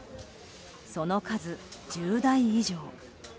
その数、１０台以上。